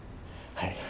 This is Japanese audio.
はい。